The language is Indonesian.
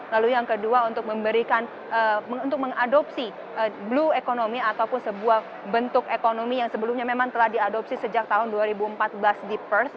lalu yang kedua untuk memberikan untuk mengadopsi blue economy ataupun sebuah bentuk ekonomi yang sebelumnya memang telah diadopsi sejak tahun dua ribu empat belas di pers